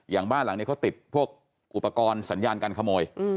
บ้านหลังนี้เขาติดพวกอุปกรณ์สัญญาการขโมย